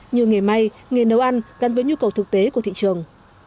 như nghề may nghề nấu ăn gắn với nhu cầu thực tế của thị trường